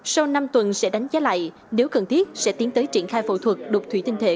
sau năm tuần sẽ đánh giá lại nếu cần thiết sẽ tiến tới triển khai phẫu thuật đột thủy tinh thể